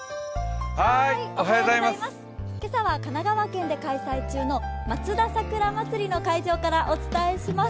今朝は神奈川県で開催中のまつだ桜まつりの会場からお伝えします。